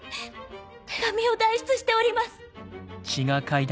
手紙を代筆しております。